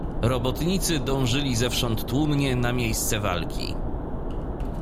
"Robotnicy dążyli zewsząd tłumnie na miejsce walki."